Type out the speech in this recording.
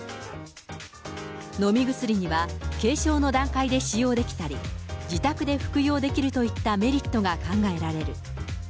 飲み薬には軽症の段階で使用できたり、自宅で服用できるといったメリットが考えられる。